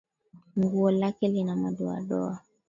Nguo lake lina madoadoa